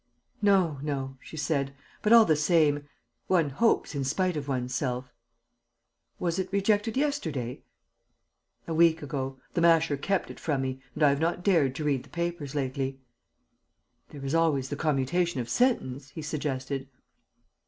"No, no," she said, "but, all the same ... one hopes in spite of one's self." "Was it rejected yesterday?" "A week ago. The Masher kept it from me; and I have not dared to read the papers lately." "There is always the commutation of sentence," he suggested.